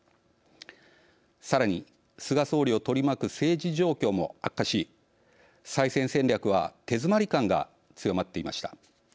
さらに菅総理を取り巻く政治状況も悪化し再選戦略は手詰まり感が強まっていました。